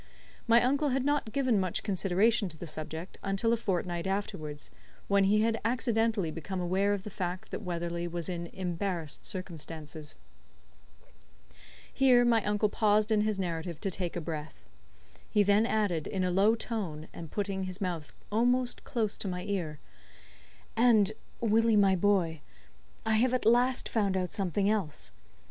My uncle had not given much consideration to the subject until a fortnight afterwards, when he had accidently become aware of the fact that Weatherley was in embarrassed circumstances. Here my uncle paused in his narrative to take breath. He then added, in a low tone, and putting his mouth almost close to my ear: "And, Willie, my boy, I have at last found out something else.